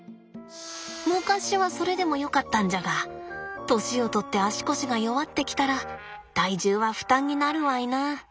昔はそれでもよかったんじゃが年をとって足腰が弱ってきたら体重は負担になるわいな。